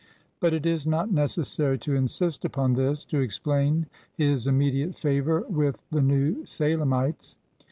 But it is not necessary to insist upon this to explain his immediate favor with the New Salemites.